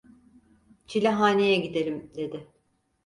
"Çilehaneye gidelim" dedi.